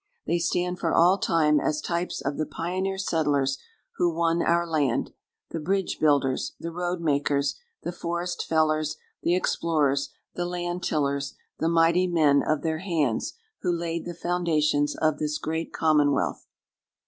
They stand for all time as types of the pioneer settlers who won our land: the bridge builders, the road makers, the forest fellers, the explorers, the land tillers, the mighty men of their hands, who laid the foundations of this great commonwealth.